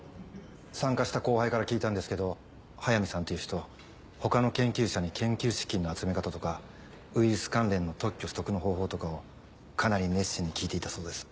参加した後輩から聞いたんですけど速水さんっていう人他の研究者に研究資金の集め方とかウイルス関連の特許取得の方法とかをかなり熱心に聞いていたそうです。